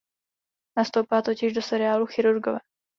Nastoupila totiž do seriálu "Chirurgové".